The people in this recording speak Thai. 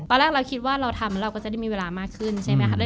ตอนแรกเราคิดว่าเราทำเราก็จะได้มีเวลามากขึ้นใช่ไหมครับ